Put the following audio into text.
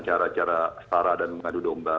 cara cara setara dan mengadu domba